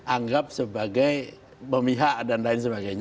anggap sebagai pemihak dan lain sebagainya